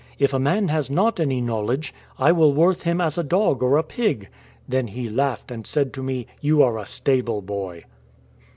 If a man has not any knowledge, I will worth him as a dog or a pig.' Then he laughed, and said to me, ' You are a stable boy.'